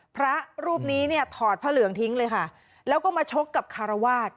พระรูปนี้เนี่ยถอดพระเหลืองทิ้งเลยค่ะแล้วก็มาชกกับคารวาส